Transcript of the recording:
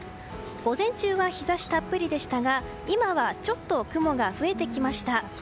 午前中は日差したっぷりでしたが今はちょっと雲が増えてきました。